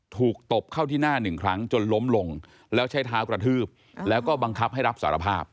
ตบเข้าที่หน้าหนึ่งครั้งจนล้มลงแล้วใช้เท้ากระทืบแล้วก็บังคับให้รับสารภาพ